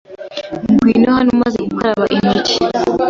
Ngwino hano umaze gukaraba intoki.